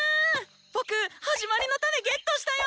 僕「始まりのタネ」ゲットしたよ！